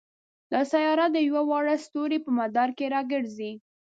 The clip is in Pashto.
دا سیاره د یوه واړه ستوري په مدار کې را ګرځي.